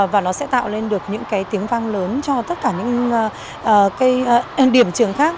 và nó sẽ tạo lên được những tiếng vang lớn cho tất cả những điểm trường khác